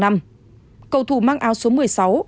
cầu thủ mang áo số một mươi sáu